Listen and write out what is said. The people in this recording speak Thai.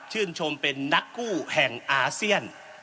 ชมเป็นนักกู้แห่งอาเซียน